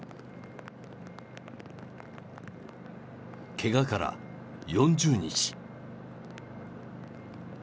けがから４０日。